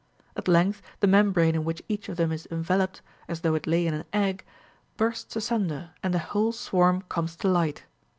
At length the membrane in which each of them is enveloped, as though it lay in an egg, bursts asunder, and the whole swarm comes to light.